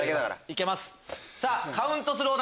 いけます！